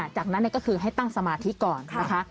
จากนั้นก็คือให้ตั้งสมาธิก่อนนะคะ